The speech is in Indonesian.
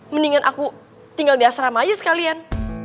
mendingan aku tinggal di asrama aja sekalian